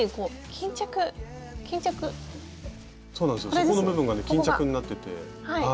そこの部分がね巾着になってて。